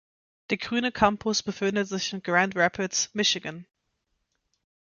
Der grüne Campus befindet sich in Grand Rapids, Michigan.